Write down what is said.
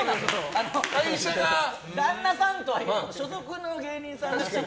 旦那さんとはいえ所属の芸人さんですから。